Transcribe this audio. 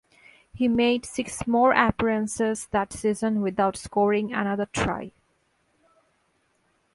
He made six more appearances that season without scoring another try.